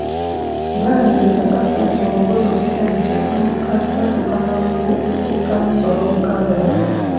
Bambi kakasa nti omugole omusajja n'omukazi batuuka mangu ku kkanisa olwomukaaga luno.